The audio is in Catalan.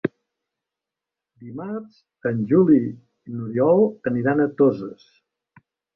Dimarts en Juli i n'Oriol aniran a Toses.